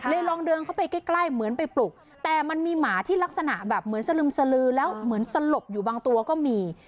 ลองเดินเข้าไปใกล้เหมือนไปปลุกแต่มันมีหมาที่ลักษณะแบบเหมือนสลึมสลือแล้วเหมือนสลบอยู่บางตัวก็มี